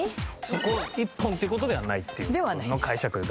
そこ一本っていう事ではないっていう解釈で大丈夫ですか？